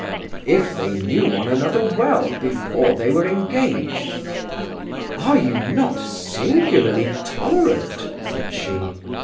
"If they knew one another well before they were engaged." "Are you not singularly tolerant?" said she.